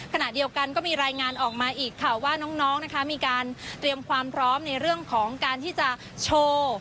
ขณะเดียวกันก็มีรายงานออกมาอีกค่ะว่าน้องนะคะมีการเตรียมความพร้อมในเรื่องของการที่จะโชว์